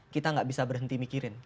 kita nggak bisa berhenti mikirin